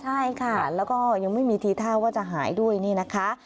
ใช่ค่ะแล้วก็ยังไม่มีทีท่าว่าจะหายด้วยนี่นะคะ